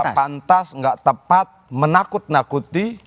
gak pantas gak tepat menakut nakuti